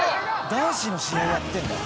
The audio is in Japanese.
男子の試合やってんだ。